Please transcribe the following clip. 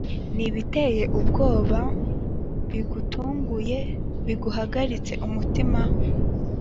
n’ibiteye ubwoba bigutunguye biguhagaritse umutima